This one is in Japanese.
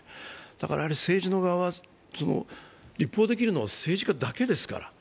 だから政治の側は、立法できるのは政治だけですから。